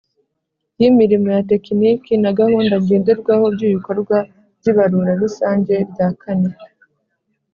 Y imirimo ya tekiniki na gahunda ngenderwaho by ibikorwa by ibarura rusange rya kane